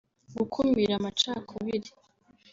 gukumira amacakubiri